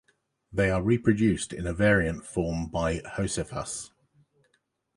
They are reproduced in a variant form by Josephus.